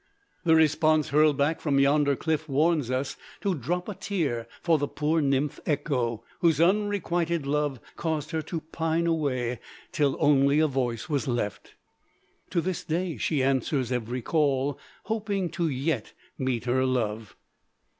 The response hurled back from yonder cliff warns us to drop a tear for the poor nymph Echo, whose unrequited love caused her to pine away till only a voice was left. To this day she answers every call, hoping to yet meet her love.